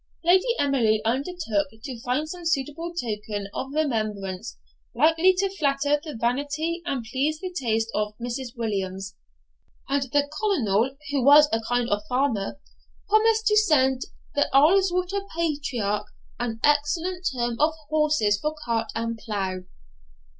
Lady Emily undertook to find some suitable token of remembrance likely to flatter the vanity and please the taste of Mrs. Williams; and the Colonel, who was a kind of farmer, promised to send the Ullswater patriarch an excellent team of horses for cart and plough.